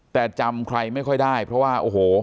แต่จำใครไม่ค่อยได้เพราะว่าโอ้โห